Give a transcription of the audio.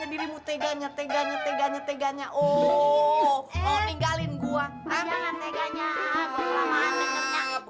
jangan pegangnya apa